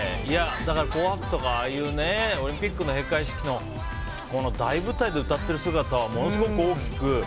だから、「紅白」とかああいうオリンピックの閉会式の大舞台で歌ってる姿はものすごく大きく。